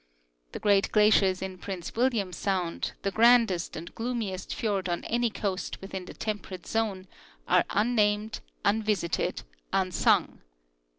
The great glaciers in Prince William sound, the grandest and gloomiest fiord on any coast within the temperate zone, are unnamed, unvisited, unsung.